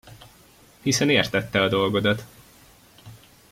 Hiszen érted te a dolgodat!